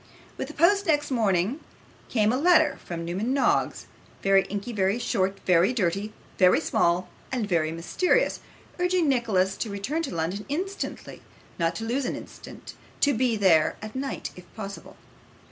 With the post next morning came a letter from Newman Noggs, very inky, very short, very dirty, very small, and very mysterious, urging Nicholas to return to London instantly; not to lose an instant; to be there that night if possible.